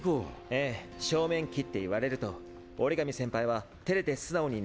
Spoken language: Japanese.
ええ正面切って言われると折紙先輩は照れて素直になれない可能性が。